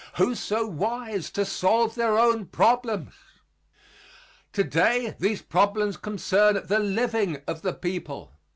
Who so wise to solve their own problems? Today these problems concern the living of the people.